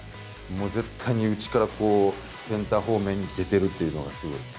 もう絶対に内からセンター方面に出てるっていうのがすごいです。